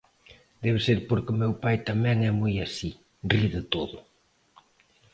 Debe ser porque meu pai tamén é moi así, ri de todo.